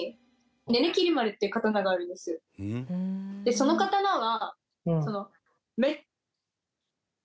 その刀は。